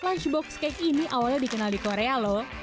lunchbox cake ini awalnya dikenal di korea loh